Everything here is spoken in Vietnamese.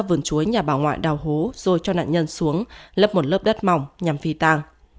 vườn chuối nhà bảo ngoại đào hố rồi cho nạn nhân xuống lấp một lớp đất mỏng nhằm phi tàng